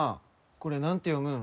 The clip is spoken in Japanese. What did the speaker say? これ何て読むん？